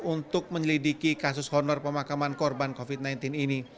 untuk menyelidiki kasus honor pemakaman korban covid sembilan belas ini